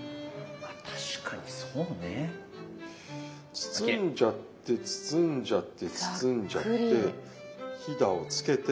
まあ確かにそうね。包んじゃって包んじゃって包んじゃってヒダをつけて。